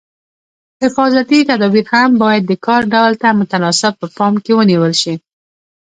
حفاظتي تدابیر هم باید د کار ډول ته متناسب په پام کې ونیول شي.